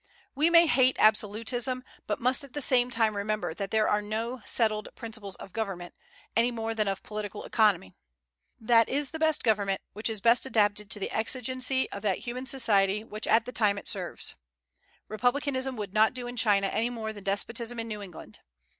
We may hate absolutism, but must at the same time remember that there are no settled principles of government, any more than of political economy. That is the best government which is best adapted to the exigency of that human society which at the time it serves. Republicanism would not do in China, any more than despotism in New England.